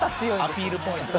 アピールポイント。